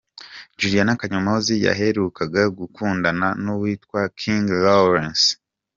Juliana Kanyomozi yaherukaga gukundana n'uwitwa King Lawrence.